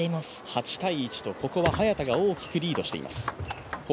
８−１とここは早田が大きくリードしています。